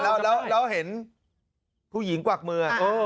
แล้วทิสเตอร์เห็นผู้หญิงกว่ากมือ